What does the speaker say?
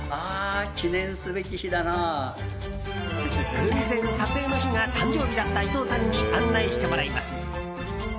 偶然撮影の日が誕生日だった伊藤さんに案内してもらいます。